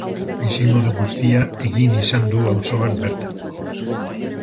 Bizimodu guztia egin izan du auzoan bertan.